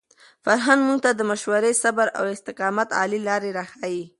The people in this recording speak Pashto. فرهنګ موږ ته د مشورې، صبر او استقامت عالي لارې راښيي.